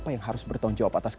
ya terima kasih pak